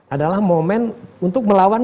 adalah momen untuk melawan